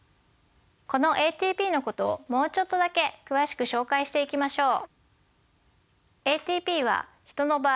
このＡＴＰのことをもうちょっとだけ詳しく紹介していきましょう。